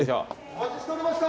・お待ちしておりました！